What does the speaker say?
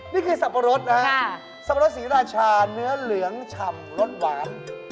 สับปะรดนะฮะสับปะรดศรีราชาเนื้อเหลืองฉ่ำรสหวาน